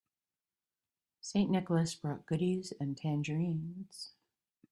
St. Nicholas brought goodies and tangerines.